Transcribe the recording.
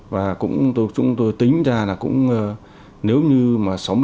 và cũng chúng tôi tính ra là cũng nếu như mà sáu mươi bốn